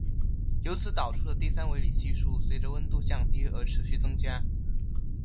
由此导出的第三维里系数随着温度降低而持续增加。